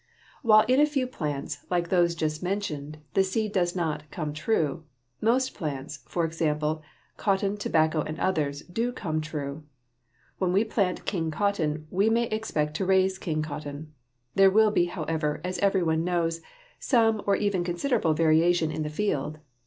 While in a few plants like those just mentioned the seed does not "come true," most plants, for example, cotton, tobacco, and others, do "come true." When we plant King cotton we may expect to raise King cotton. There will be, however, as every one knows, some or even considerable variation in the field.